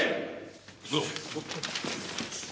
行くぞ！